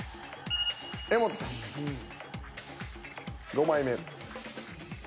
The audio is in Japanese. ５枚目。